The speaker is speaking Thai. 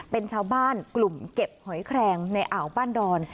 เป็นชาวบ้านกลุ่มเก็บหอยแครงในอ่าวบ้านดอน